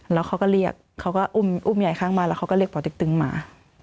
แล้วเขาก็เรียกเขาก็อุ้มใหญ่ข้างบ้านแล้วเขาก็เรียกป่อเต็กตึงมา